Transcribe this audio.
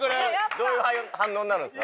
どういう反応になるんですか？